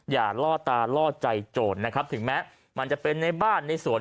ล่อตาล่อใจโจรนะครับถึงแม้มันจะเป็นในบ้านในสวน